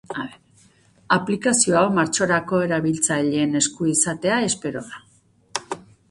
Aplikazio hau martxorako erabiltzaileen esku izatea espero da.